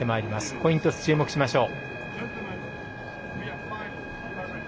コイントス、注目しましょう。